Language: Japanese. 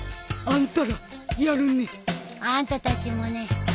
あんたたちもね。